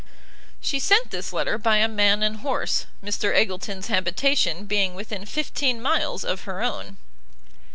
She sent this letter by a man and horse, Mr Eggleston's habitation being within fifteen miles of her own.